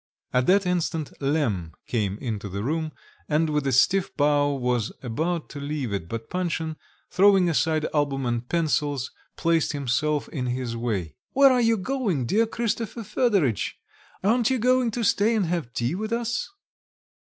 At that instant Lemm came into the room, and with a stiff bow was about to leave it; but Panshin, throwing aside album and pencils, placed himself in his way. "Where are you doing, dear Christopher Fedoritch? Aren't you going to stay and have tea with us?"